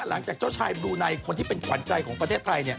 หลังจากเจ้าชายบลูไนคนที่เป็นขวัญใจของประเทศไทย